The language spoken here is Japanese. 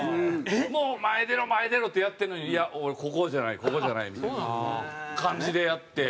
もう前出ろ前出ろってやってるのにいや俺ここじゃないここじゃないみたいな感じでやって。